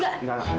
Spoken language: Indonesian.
karena ada kamu